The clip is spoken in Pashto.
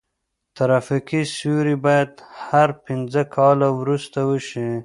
ترافیکي سروې باید هر پنځه کاله وروسته وشي